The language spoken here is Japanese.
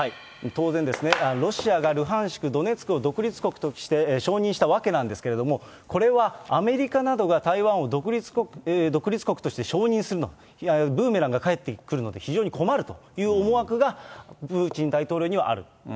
当然ですね、ロシアがルハンシク、ドネツクを独立国として承認した訳なんですけれども、これはアメリカなどが台湾を独立国として承認するのは、ブーメランが返ってくるので困るという思惑が、プーチン大統領にはある。